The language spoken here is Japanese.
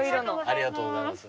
ありがとうございます。